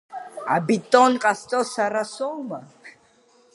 Абетон ҟазҵо сара соума?